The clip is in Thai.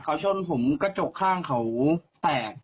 เขาชนผมกระจกข้างเขาแตก